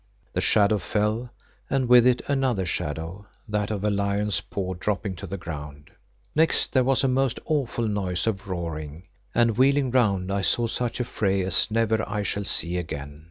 The shadow fell and with it another shadow, that of a lion's paw dropping to the ground. Next there was a most awful noise of roaring, and wheeling round I saw such a fray as never I shall see again.